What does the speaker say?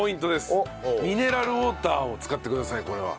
ミネラルウォーターを使ってくださいこれは。